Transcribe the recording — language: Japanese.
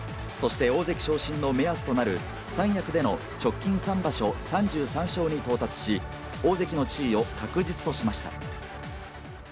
そして大関昇進の目安となる、三役での直近３場所３３勝に到達し、大関の地位を確実としました。